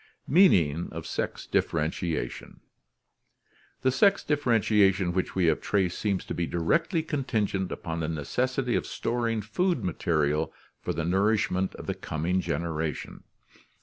Meaning of Sex Differentiation The sex differentiation which we have traced seems to be directly contingent upon the necessity of storing food ma terial for the nourishment of the coming generation.